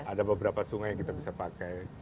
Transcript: ada beberapa sungai yang kita bisa pakai